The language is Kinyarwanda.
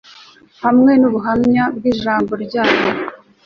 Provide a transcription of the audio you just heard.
hamwe nubuhamya bwIjambo ryayo